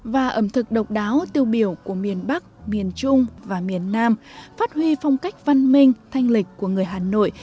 và ẩm thực độc đáo tiêu biểu của miền bắc miền trung và miền nam phát huy phong cách văn minh thanh lịch của người hà nội